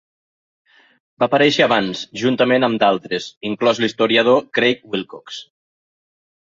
Va aparèixer abans, juntament amb d'altres, inclòs l'historiador Craig Wilcox.